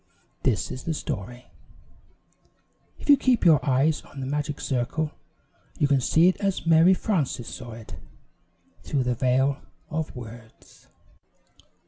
This is the story. If you keep your eyes on the magic circle you can see it as Mary Frances saw it through the veil of words.